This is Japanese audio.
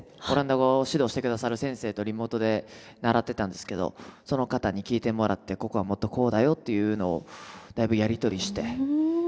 オランダ語指導してくださる先生とリモートで習ってたんですけどその方に聞いてもらってここはもっとこうだよっていうのをだいぶやり取りして。